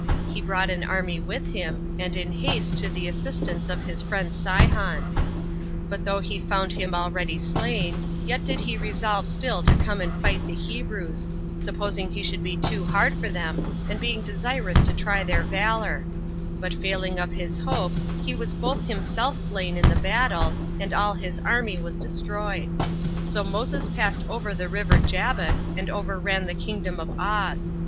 He brought an army with him, and in haste to the assistance of his friend Sihon: but though he found him already slain, yet did he resolve still to come and fight the Hebrews, supposing he should be too hard for them, and being desirous to try their valor; but failing of his hope, he was both himself slain in the battle, and all his army was destroyed. So Moses passed over the river Jabbok, and overran the kingdom of Og.